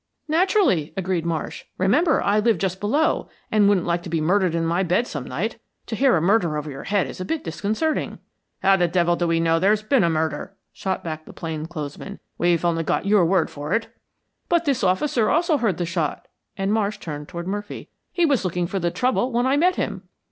"Naturally," agreed Marsh. "Remember, I live just below, and wouldn't like to be murdered in my bed some night. To hear a murder over your head is a bit disconcerting." "How the devil do we know there's been a murder?" shot back the plain clothes man. "We've only got your word for it." "But this officer also heard the shot," and Marsh turned toward Murphy. "He was looking for the trouble when I met him."